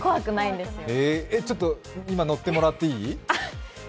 ちょっと今、乗ってもらっていい？